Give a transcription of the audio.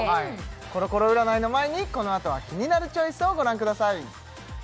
コロコロ占いの前にこのあとはキニナルチョイスをご覧ください